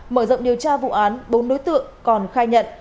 mở rộng điều tra vụ án bốn đối tượng còn khai nhận